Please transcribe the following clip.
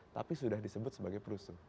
tapi sudah disebut sebagai perusuh